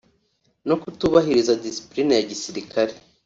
no kutubahiriza discipline ya gisirikare